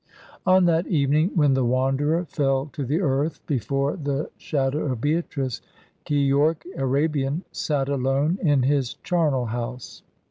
On that evening when the Wanderer fell to the earth before the shadow of Beatrice, Keyork Arabian sat alone in his charnel house.